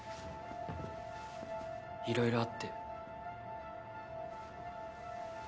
いろいろあって。